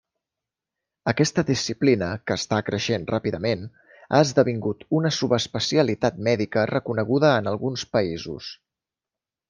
Aquesta disciplina, que està creixent ràpidament, ha esdevingut una subespecialitat mèdica reconeguda en alguns països.